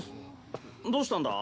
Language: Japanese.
どうしたんだ？